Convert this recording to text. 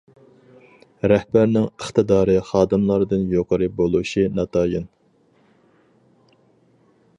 رەھبەرنىڭ ئىقتىدارى خادىملاردىن يۇقىرى بولۇشى ناتايىن.